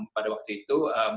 pada waktu itu